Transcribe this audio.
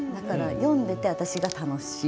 読んでいて私が楽しい。